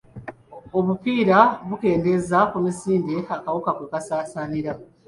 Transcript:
Obupiira bukendeeza ku misinde akawuka kwe kasaasaanira.